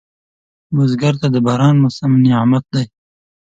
بزګر ته د باران موسم نعمت دی